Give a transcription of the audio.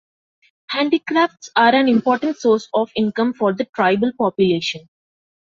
Handicrafts are an important source of income for the tribal population.